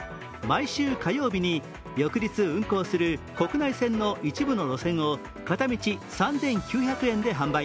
毎週火曜日に翌日運航する国内線の一部の路線を片道３９００円で販売。